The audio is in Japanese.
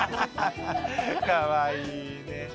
かわいいね。